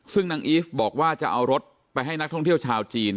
ซึ่งนางอีฟบอกว่าจะเอารถไปให้นักท่องเที่ยวชาวจีน